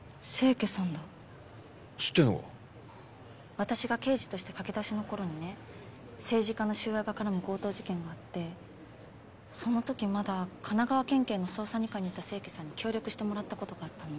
私が刑事として駆け出しの頃にね政治家の収賄が絡む強盗事件があってその時まだ神奈川県警の捜査二課にいた清家さんに協力してもらった事があったの。